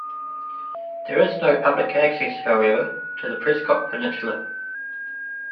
There is no public access, however, to the Prescott Peninsula.